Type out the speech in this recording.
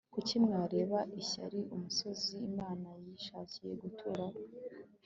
kuki mwarebana ishyari umusozi imana yishakiye guturaho